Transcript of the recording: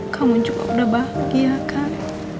kamu juga udah bahagia kak